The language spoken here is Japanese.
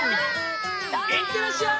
いってらっしゃい！